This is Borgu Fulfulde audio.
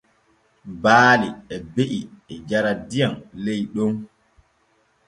Baali e be’i e jara diyam ley ɗon.